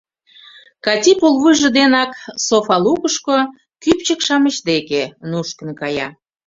Кати пулвуйжо денак софа лукышко, кӱпчык-шамыч деке, нушкын кая.